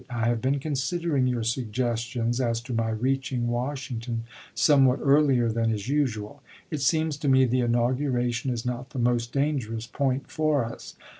I have been considering your suggestions as to my reaching Washington somewhat earlier than is usual. It seems to me the inauguration is not the most danger ous point for us.